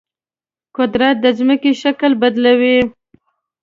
قدرت د ځمکې شکل بدلوي.